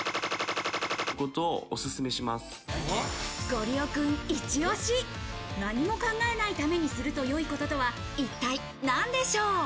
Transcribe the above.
ごりおくんイチオシ、何も考えないためにすると良いこととは一体なんでしょう？